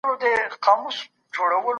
دا مهم نه دئ.